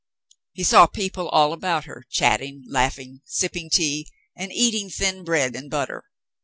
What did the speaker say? He saw people all about her, chatting, laughing, sipping tea, and eating thin bread and butter.